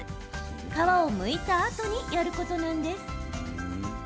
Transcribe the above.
皮をむいたあとにやることなんです。